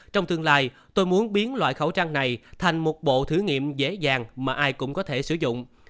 trong tương lai tôi muốn biến loại khẩu trang này thành một bộ thử nghiệm dễ dàng mà ai cũng có thể sử dụng